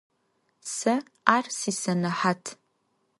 Сэ ар сисэнэхьат.